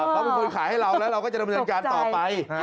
เพราะมีควรขายให้เราแล้วเราก็จะระบวนการต่อไป